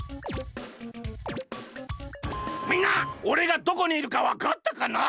みんなおれがどこにいるかわかったかな？